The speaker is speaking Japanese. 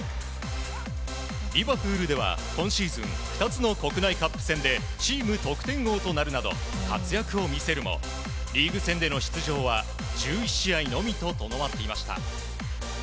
リバプールでは今シーズン２つの国内カップ戦でチーム得点王となるなど活躍を見せましたがリーグ戦での出場は１１試合のみととどまっていました。